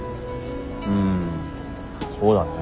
うんそうだね。